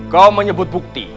kau menyebut bukti